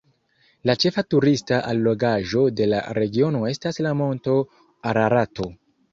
La ĉefa turista allogaĵo de la regiono estas la monto Ararato.